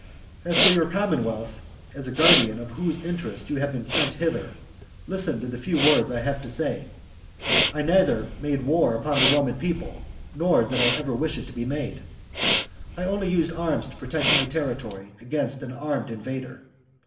As for your commonwealth, as guardian of whose interests you have been sent hither, listen to the few words I have to say : I neither made war upon the Roman people, nor did I ever wish it to be made ; I only used arms to protect my terri tory against an armed invader.